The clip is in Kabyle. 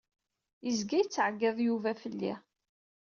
Izga yettɛeggiḍ Yuba fell-i.